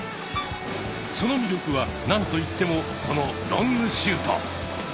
その魅力は何と言ってもこのロングシュート！